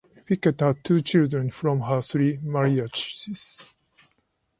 Fickett had two children from her three marriages.